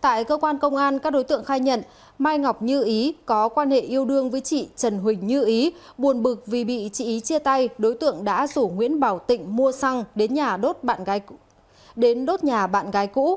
tại cơ quan công an các đối tượng khai nhận mai ngọc như ý có quan hệ yêu đương với chị trần huỳnh như ý buồn bực vì bị chị ý chia tay đối tượng đã rủ nguyễn bảo tịnh mua xăng đến nhà đốt bạn đến đốt nhà bạn gái cũ